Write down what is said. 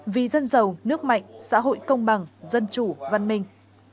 vì dân giàu nước mạnh xã hội công bằng dân chủ văn minh